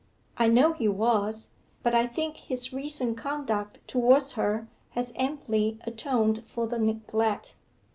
I know he was; but I think his recent conduct towards her has amply atoned for the neglect.